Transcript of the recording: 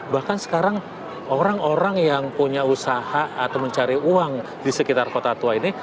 bahkan sekarang orang orang yang punya usaha atau mencari uang di sekitar kota tua ini